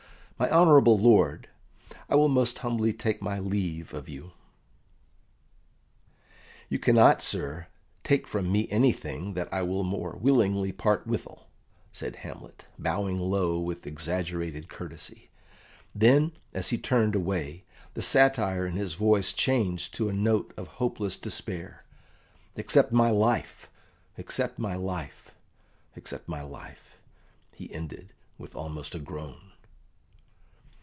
My honourable lord, I will most humbly take my leave of you." "You cannot, sir, take from me anything that I will more willingly part withal," said Hamlet, bowing low with exaggerated courtesy; then, as he turned away, the satire in his voice changed to a note of hopeless despair "except my life except my life except my life," he ended, with almost a groan.